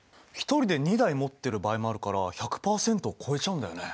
１人で２台持ってる場合もあるから１００％を超えちゃうんだよね。